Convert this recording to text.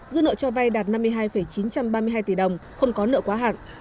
dư nợ cho vay đạt năm mươi hai chín trăm ba mươi hai tỷ đồng không có nợ quá hạn